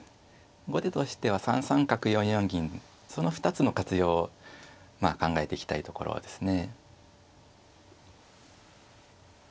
後手としては３三角４四銀その２つの活用を考えていきたいところですね。